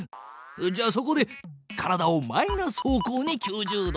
じゃあそこで体をマイナス方向に９０度回転！